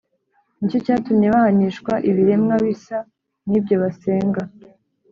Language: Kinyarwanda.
Ni cyo cyatumye bahanishwa ibiremwa bisa n’ibyo basenga,